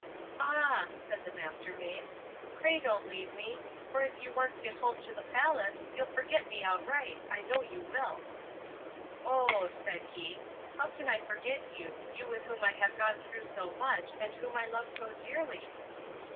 "Ah!" said the Mastermaid, "pray don't leave me, for if you once get home to the palace, you'll forget me outright; I know you will." "Oh!" said he, "how can I forget you; you with whom I have gone through so much, and whom I love so dearly?"